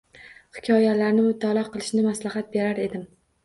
Hikoyalarini mutolaa qilishni maslahat berar edim.